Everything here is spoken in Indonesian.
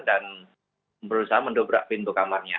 dan berusaha mendobrak pintu kamarnya